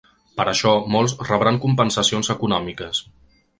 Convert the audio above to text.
Per això, molts rebran compensacions econòmiques.